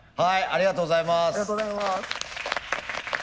ありがとうございます。